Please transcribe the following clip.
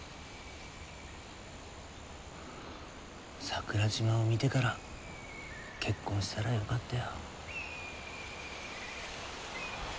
桜島を見てから結婚したらよかったよ。